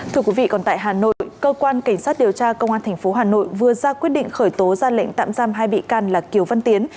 thưa quý vị còn tại hà nội cơ quan cảnh sát điều tra công an tp hà nội vừa ra quyết định khởi tố ra lệnh tạm giam hai bị can là kiều văn tiến